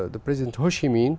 bác sĩ ho chi minh